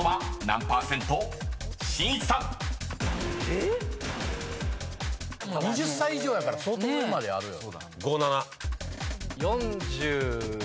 えっ⁉２０歳以上やから相当上まであるよ。